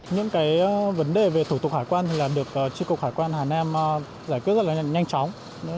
những vấn đề về thủ tục hải quan được tri cục hải quan hà nam giải quyết rất nhanh chóng